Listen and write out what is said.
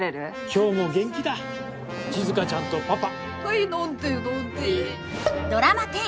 今日も元気だ静ちゃんとパパ。